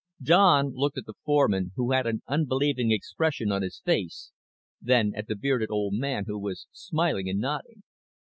Don looked at the fireman, who had an unbelieving expression on his face, then at the bearded old man, who was smiling and nodding.